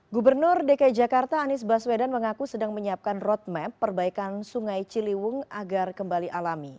gubernur dki jakarta anies baswedan mengaku sedang menyiapkan roadmap perbaikan sungai ciliwung agar kembali alami